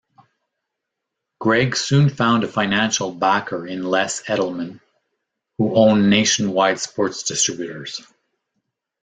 Greg soon found a financial backer in Les Edelman, who owned Nationwide Sports Distributors.